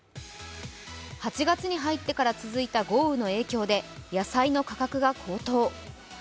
８月に入ってから続いた豪雨の影響で野菜の価格が高騰。